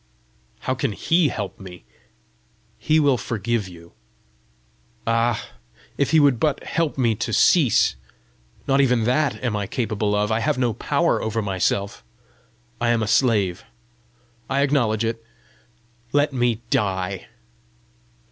"How can HE help me?" "He will forgive you." "Ah, if he would but help me to cease! Not even that am I capable of! I have no power over myself; I am a slave! I acknowledge it. Let me die."